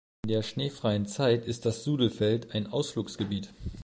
In der schneefreien Zeit ist das Sudelfeld ein Ausflugsgebiet.